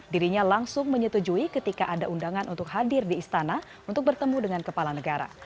dirinya langsung menyetujui ketika ada undangan untuk hadir di istana untuk bertemu dengan kepala negara